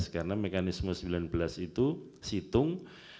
karena mekanisme sembilan belas itu situng